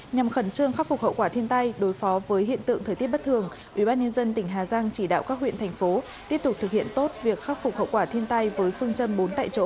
nhằm khẩn trương khắc phục hậu quả thiên tai đối phó với hiện tượng thời tiết bất thường ubnd tỉnh hà giang chỉ đạo các huyện thành phố tiếp tục thực hiện tốt việc khắc phục hậu quả thiên tai với phương châm bốn tại chỗ